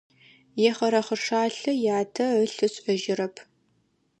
Ехъырэхъышалэ ятэ ылъ ышӏэжьырэп.